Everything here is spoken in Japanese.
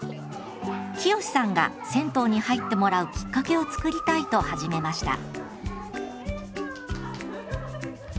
聖志さんが、銭湯に入ってもらうきっかけを作りたいと始めました。